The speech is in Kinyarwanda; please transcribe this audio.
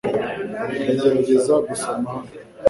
Ndagerageza gusoma hano .